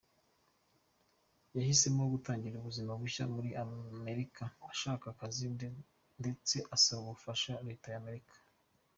Yahisemo gutangira ubuzima bushya muri Amerika ashaka akazi ndetse asaba ubufasha Leta y’Amerika.